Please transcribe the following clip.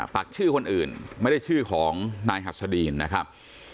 ปากชื่อคนอื่นไม่ได้ชื่อของนายหัสดีนนะครับ